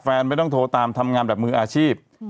ไม่ต้องโทรตามทำงานแบบมืออาชีพ